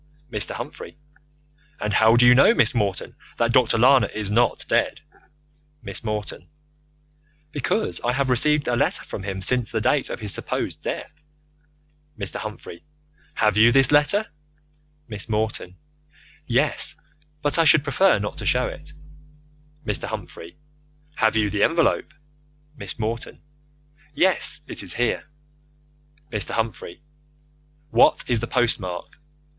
Mr. Humphrey: And how do you know, Miss Morton, that Dr. Lana is not dead? Miss Morton: Because I have received a letter from him since the date of his supposed death. Mr. Humphrey: Have you this letter? Miss Morton: Yes, but I should prefer not to show it. Mr. Humphrey: Have you the envelope? Miss Morton: Yes, it is here. Mr. Humphrey: What is the post mark?